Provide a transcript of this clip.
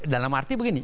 dalam arti begini